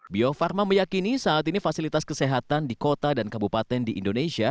bio farma meyakini saat ini fasilitas kesehatan di kota dan kabupaten di indonesia